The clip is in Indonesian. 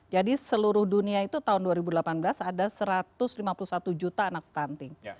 seluruh dunia itu tahun dua ribu delapan belas ada satu ratus lima puluh satu juta anak stunting